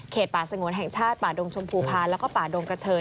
ป่าสงวนแห่งชาติป่าดงชมพูพาแล้วก็ป่าดงกระเชย